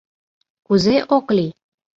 Кузе ок лий?